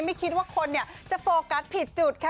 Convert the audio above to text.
ไม่คิดว่าคนจะโฟกัสผิดจุดค่ะ